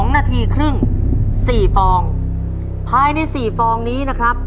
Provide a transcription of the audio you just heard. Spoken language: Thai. ๒นาทีครึ่ง๔ฟองภายใน๔ฟองนี้นะครับ